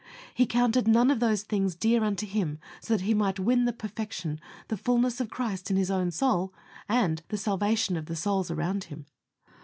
He counted none of those dear unto him, so that he might win the perfection, the fulness of Christ in his own soul, and the salvation of the souls around him.